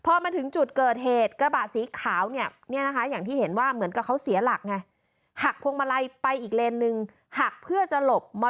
พอมาถึงจุดเกิดเหตุกระบะสีขาวเนี่ยนะคะอย่างที่เห็นว่าเหมือนกับเขาเสียหลักไงหักพวงมาลัยไปอีกเลนนึงหักเพื่อจะหลบม๔